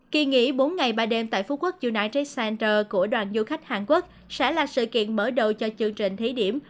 kỳ nghỉ bốn ngày ba đêm tại phú quốc uni jessenger của đoàn du khách hàn quốc sẽ là sự kiện mở đầu cho chương trình thí điểm